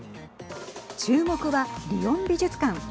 注目は、リヨン美術館。